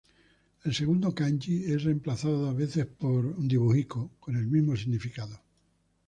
El segundo kanji es reemplazado a veces por 座, con el mismo significado.